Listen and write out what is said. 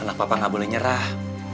anak papa gak boleh nyerah